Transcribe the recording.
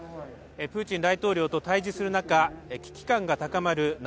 プーチン大統領と対峙する中危機感が高まる